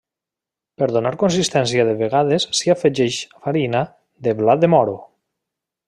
Per donar consistència de vegades s'hi afegeix farina de blat de moro.